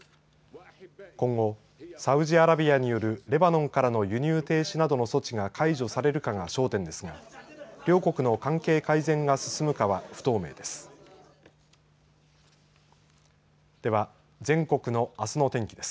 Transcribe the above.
今後、サウジアラビアによるレバノンからの輸入停止などの措置が解除されるかが焦点ですが両国の関係改善が進むかは不透明です。